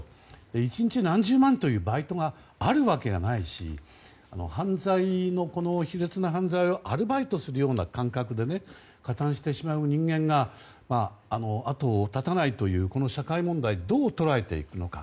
１日何十万というバイトがあるわけがないし卑劣な犯罪をアルバイトするような感覚で加担してしまう人間が後を絶たないというこの社会問題をどう捉えていくのか。